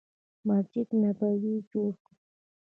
مسجد نبوي یې جوړ کړ.